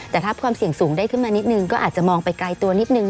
แต่ถ้าความเสี่ยงสูงได้ขึ้นมานิดนึงก็อาจจะมองไปไกลตัวนิดนึง